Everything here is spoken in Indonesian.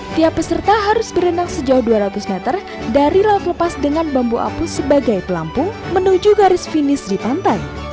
tiap peserta harus berenang sejauh dua ratus meter dari laut lepas dengan bambu apus sebagai pelampung menuju garis finish di pantai